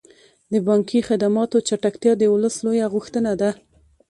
د بانکي خدماتو چټکتیا د ولس لویه غوښتنه ده.